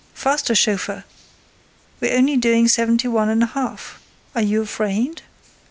—Faster, chauffeur: we're only doing seventy one and a half!—Are you afraid?